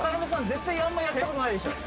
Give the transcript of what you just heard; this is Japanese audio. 絶対あんまやったことないでしょ